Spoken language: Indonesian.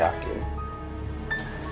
jadi yang epic kita kembali nih